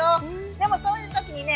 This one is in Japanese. でもそういう時にね